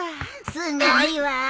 すごいわ。